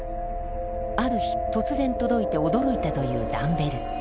ある日突然届いて驚いたというダンベル。